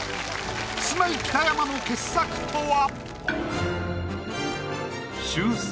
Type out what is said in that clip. キスマイ北山の傑作とは？